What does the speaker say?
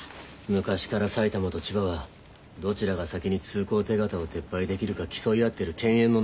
昔から埼玉と千葉はどちらが先に通行手形を撤廃できるか競い合ってる犬猿の仲だ。